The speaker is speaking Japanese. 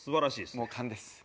もう勘です。